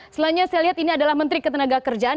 selanjutnya saya lihat ini adalah menteri ketenagakerjaan